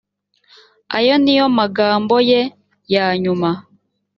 ayo ni yo magambo ye ya nyuma